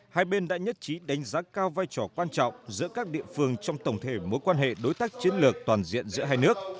hai bên đã nhất trí đánh giá cao vai trò quan trọng giữa các địa phương trong tổng thể mối quan hệ đối tác chiến lược toàn diện giữa hai nước